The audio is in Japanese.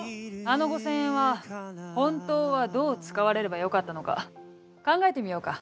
「あの５千円は本当はどう使われればよかったのか考えてみようか？」